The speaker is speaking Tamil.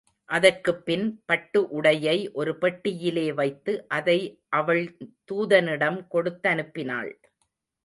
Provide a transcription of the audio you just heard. அதற்குப்பின், பட்டு உடையை ஒரு பெட்டியிலே வைத்து, அதை அவள் தூதனிடம் கொடுத்தனுப்பினாள்.